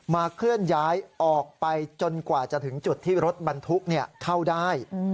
เคลื่อนย้ายออกไปจนกว่าจะถึงจุดที่รถบรรทุกเข้าได้